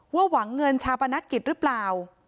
หวังเงินชาปนกิจหรือเปล่า